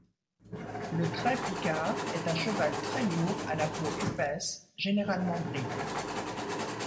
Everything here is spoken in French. Le trait picard est un cheval très lourd, à la peau épaisse, généralement gris.